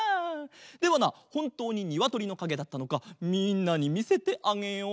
ではなほんとうににわとりのかげだったのかみんなにみせてあげよう。